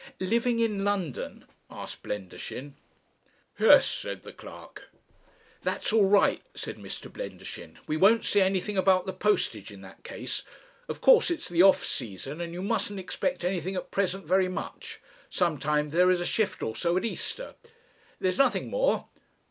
"Living in London?" asked Blendershin. "Yes," said the clerk. "That's all right," said Mr. Blendershin. "We won't say anything about the postage in that case. Of course it's the off season, and you mustn't expect anything at present very much. Sometimes there's a shift or so at Easter.... There's nothing more....